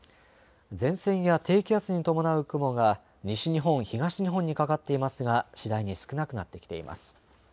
前線や低気圧に伴う雲が西日本、東日本にかかっていますが次第に少なくなってきています。